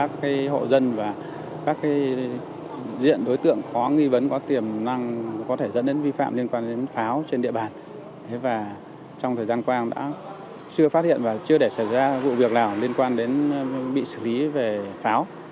chưa phát hiện và chưa để xảy ra vụ việc nào liên quan đến bị xử lý về pháo